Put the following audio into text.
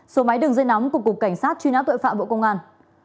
số máy đường dây nóng của cục cảnh sát truy nã tội phạm bộ công an